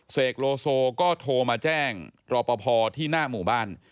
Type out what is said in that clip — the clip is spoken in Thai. เสกโลโซก็โทรมาแจ้งตรปภที่หน้าหมู่บ้าน